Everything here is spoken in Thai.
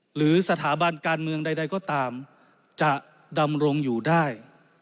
หรือสถาบันการเมืองใดก็ตามจะดำรงอยู่ได้